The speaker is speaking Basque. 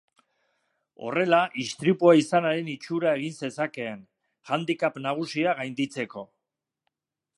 Horrela istripua izanaren itxura egin zezakeen, handicap nagusia gainditzeko.